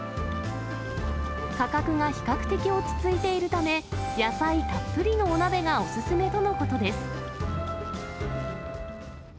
価格が比較的落ち着いているため、野菜たっぷりのお鍋がお勧めとのことです。